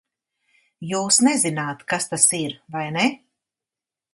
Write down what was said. Jūs nezināt, kas tas ir, vai ne?